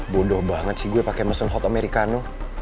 bodoh banget sih gue pake mesen hot americano